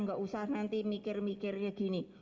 nggak usah nanti mikir mikirnya gini